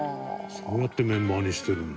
そうやってメンバーにしてるんだ。